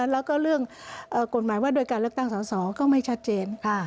แล้วก็เรื่องกฎหมายว่าโดยการเลือกตั้งสอสอก็ไม่ชัดเจน